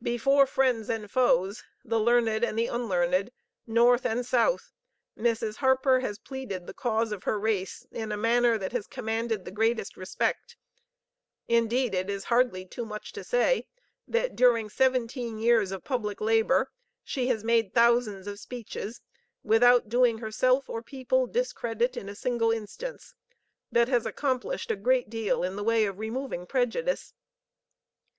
Before friends and foes, the learned and the unlearned, North and South, Mrs. Harper has pleaded the cause of her race in a manner that has commanded the greatest respect; indeed, it is hardly too much to say, that during seventeen years of public labor she has made thousands of speeches without doing herself or people discredit in a single instance, but has accomplished a great deal in the way of removing prejudice.